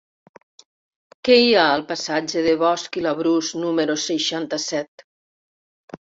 Què hi ha al passatge de Bosch i Labrús número seixanta-set?